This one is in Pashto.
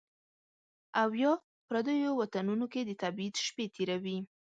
او یا، پردیو وطنونو کې د تبعید شپې تیروي